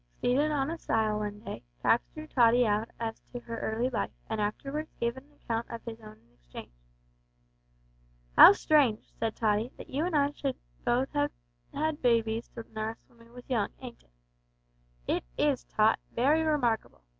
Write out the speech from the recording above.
Seated on a stile one day, Pax drew Tottie out as to her early life, and afterwards gave an account of his own in exchange. "How strange," said Tottie, "that you and I should both have had bybies to nuss w'en we was young, ain't it?" "It is, Tot very remarkable.